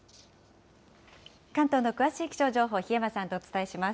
関東の詳しい気象情報、檜山さんとお伝えします。